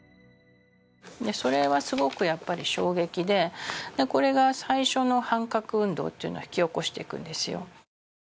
それはすごくやっぱり衝撃でこれが最初の反核運動を引き起こしていくんですよ。